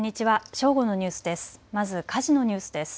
正午のニュースです。